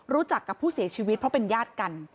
รู้จักกับผู้เสียชีวิตเพราะเป็นญาติกัน